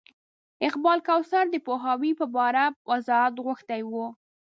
اقبال کوثر د پوهاوي په پار وضاحت غوښتی و.